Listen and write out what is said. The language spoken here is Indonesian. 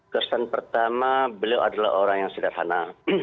kesan pertama beliau adalah orang yang sederhana